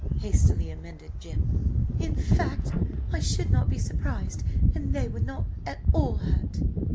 hastily amended Jim. "In fact, I should not be surprised an they were not at all hurt!"